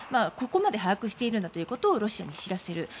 ここまで把握しているんだということをロシアに知らせる。